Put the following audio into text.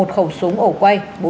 một khẩu súng ổ quay